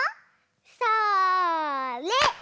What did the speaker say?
それ！